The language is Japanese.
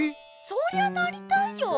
そりゃなりたいよ。